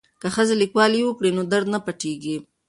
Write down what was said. که ښځې لیکوالي وکړي نو درد نه پټیږي.